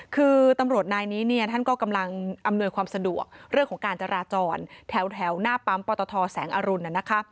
คือตำรวจนายนี้เนี่ยท่านก็กำลังอำนวยความสะดวกเรื่องของการจราจรแถวหน้าปั๊มปตทแสงอรุณนะคะ